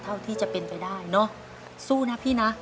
เท่าที่จะเป็นไปได้เนอะสู้นะพี่นะ